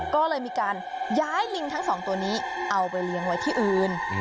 ก็เลยมีการย้ายลิงทั้งสองตัวนี้เอาไปเลี้ยงไว้ที่อื่น